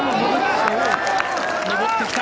上ってきた。